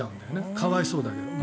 可哀想だけど。